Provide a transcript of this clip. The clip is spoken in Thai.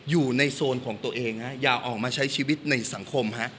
อยู่ในโซนของตัวเองอย่าออกมาใช้ชีวิตในสังคม